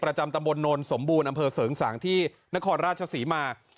ตำบลโนนสมบูรณ์อำเภอเสริงสางที่นครราชศรีมา